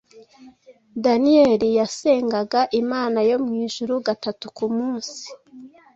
Daniyeli yasengaga Imana yo mw’ijuru gatatu ku munsi